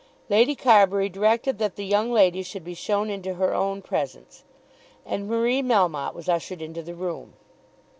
Lady Carbury directed that the young lady should be shown into her own presence, and Marie Melmotte was ushered into the room.